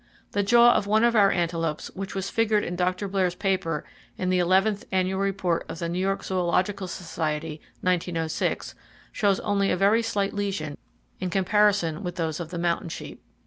The jaw of one of our antelopes, which was figured in Dr. Blair's paper in the Eleventh Annual Report of the New York Zoological Society (1906) shows only a very slight lesion, in comparison with those of the mountain sheep.